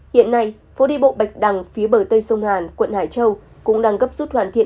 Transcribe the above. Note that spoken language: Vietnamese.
hiện nay phố đi bộ bạch đằng phía bờ tây sông hàn quận hải châu cũng đang gấp rút hoàn thiện